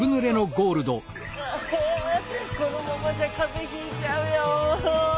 あこのままじゃかぜひいちゃうよ。